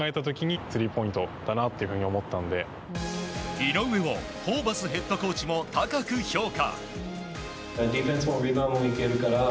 井上をホーバスヘッドコーチも高く評価。